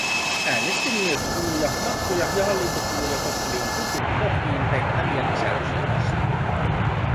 Äänestin myös kuluja, matkoja ja hallintokuluja koskeviin budjettikohtiin tehtäviä lisäyksiä vastaan.